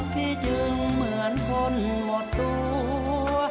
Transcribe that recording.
พี่จึงเหมือนคนหมดตัว